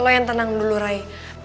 lo lagi kenapa sih ray